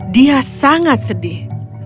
dia sangat sedih